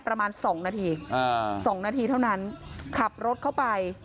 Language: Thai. ประมาณสองนาทีสองนาทีเท่านั้นขับรถเข้าไป